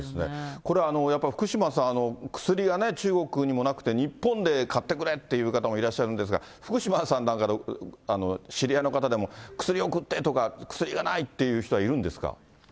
これはやっぱり、福島さん、薬が中国にもなくて、日本で買ってくれっていう方もいらっしゃるんですが、福島さんなんかの知り合いの方でも、薬送ってとか、薬がないっていう人はいるんですか？